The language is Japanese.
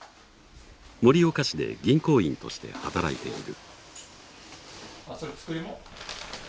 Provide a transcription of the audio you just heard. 盛岡市で銀行員として働いている。